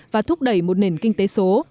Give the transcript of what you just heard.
và thúc đẩy một nền kinh tế số